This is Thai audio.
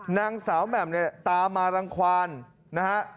นางสาวแหม่มเนี่ยตามมารังความนะฮะ